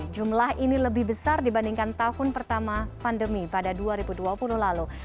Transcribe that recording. jumlah ini lebih besar dibandingkan tahun pertama pandemi pada dua ribu dua puluh lalu